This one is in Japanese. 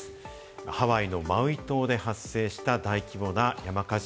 ハワイのマウイ島で発生した大規模な山火事。